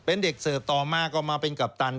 เป็นเด็กเสิร์ฟต่อมาก็มาเป็นกัปตัน